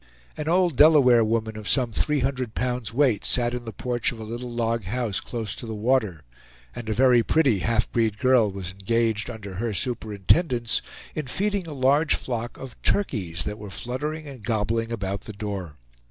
An old Delaware woman, of some three hundred pounds' weight, sat in the porch of a little log house close to the water, and a very pretty half breed girl was engaged, under her superintendence, in feeding a large flock of turkeys that were fluttering and gobbling about the door.